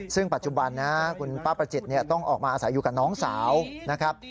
ซึ่งปัจจุบันนะคุณป้าประจิตต้องออกมาอาศัยอยู่กับน้องสาวนะครับ